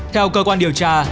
theo cơ quan điều tra